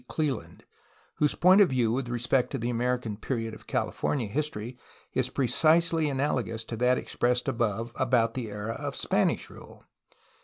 Cleland, whose point of view with respect to the American period of California history is precisely analagous to that expressed above about the era of Spanish rule.